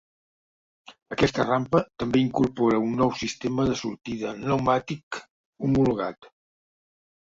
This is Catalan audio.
Aquesta rampa també incorpora un nou sistema de sortida pneumàtic homologat.